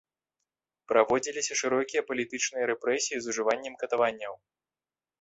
Праводзіліся шырокія палітычныя рэпрэсіі з ужываннем катаванняў.